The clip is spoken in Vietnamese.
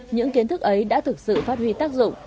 những kiến thức ấy đã thực sự phát huy tác dụng